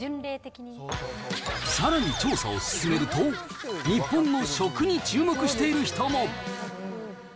さらに調査を進めると、日本の食に注目している人も。